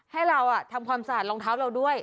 ให้เราทำความสะอาดรองเท้าเราด้วย